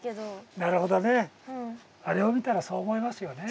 あなるほどね。あれを見たらそう思いますよね。